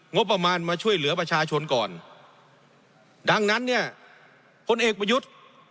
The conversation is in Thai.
งบประมาณมาช่วยเหลือประชาชนก่อนดังนั้นเนี่ยพลเอกประยุทธ์